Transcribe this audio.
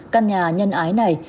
căn nhà nhân ái này